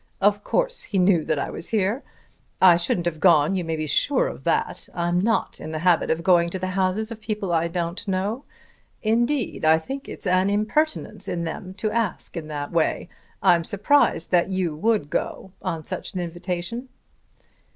Of course he knew that I was here. I shouldn't have gone; you may be sure of that. I'm not in the habit of going to the houses of people I don't know. Indeed I think it's an impertinence in them to ask in that way. I'm surprised that you would go on such an invitation."